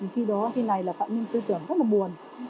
khi đó phạm nhân tư tưởng rất buồn